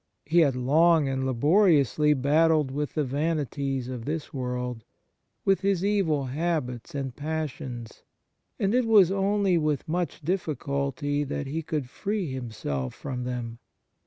He had long and laboriously battled with the vanities of this world, with his evil habits and passions ; and it was only with much diffi culty that he could free himself from them.